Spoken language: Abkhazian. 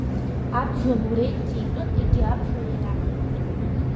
Абжа Лурентиа итәын, егьи абжа иара.